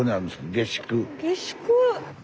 下宿。